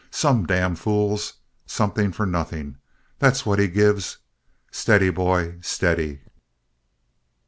Some damn fools! Something for nothing. That's what He gives! Steady, boy: steady!"